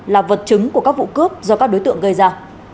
là vật chứng của các vụ cướp do các đối tượng gây ra